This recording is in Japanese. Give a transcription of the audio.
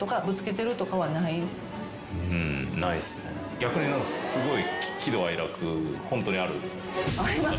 逆にすごい。